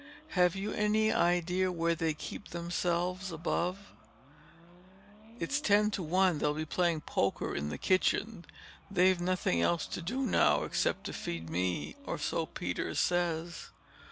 "Have you any idea where they keep themselves above?" "It's ten to one they'll be playing poker in the kitchen. They've nothing else to do now, except to feed me—or so Peters says."